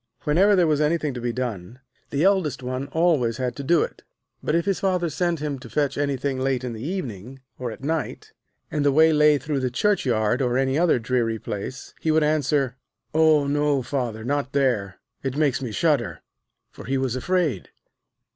Whenever there was anything to be done, the eldest one always had to do it. But if his Father sent him to fetch anything late in the evening, or at night, and the way lay through the churchyard, or any other dreary place, he would answer: 'Oh no, Father, not there; it makes me shudder!' For he was afraid.